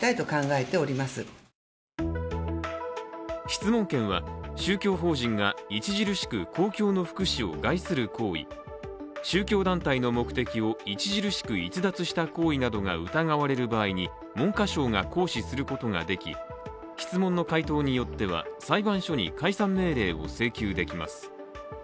質問権は宗教法人が著しく公共の福祉を害する行為、宗教団体の目的を著しく逸脱した行為などが疑われる場合に文科省が行使することができ質問の回答によっては裁判所に解散命令を請求できます。